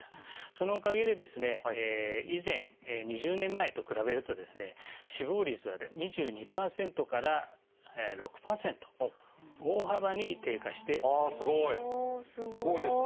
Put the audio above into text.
そのおかげで以前２０年前と比べるとですね死亡率は２２％から６％大幅に低下しております。